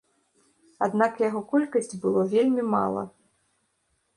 Аднак яго колькасць было вельмі мала.